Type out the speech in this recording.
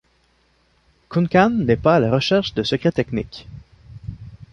Kuncan n'est pas à la recherche de secrets techniques.